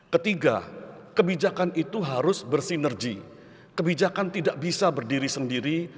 ketiga kebijakan itu harus bersinergi kebijakan tidak bisa berdiri sendiri